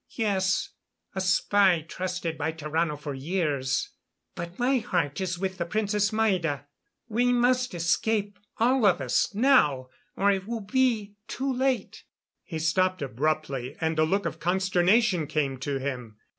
"Yes. A spy, trusted by Tarrano for years but my heart is with the Princess Maida. We must escape all of us now, or it will be too late." He stopped abruptly, and a look of consternation came to him.